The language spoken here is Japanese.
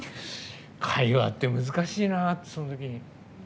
会話って難しいなって、その時に。